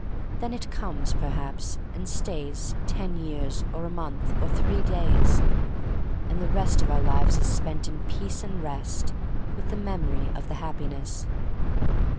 Then it comes, perhaps, and stays ten years, or a month, or three days, and the rest of our lives is spent in peace and rest — with the memory of the Happiness.